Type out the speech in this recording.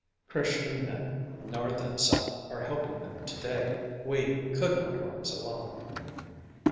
Christian men, North and South, are helping them to day. We could not rise alone.